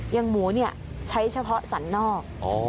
อย่างหมูเนี่ยใช้เฉพาะสันนอก